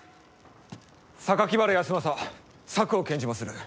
原康政策を献じまする！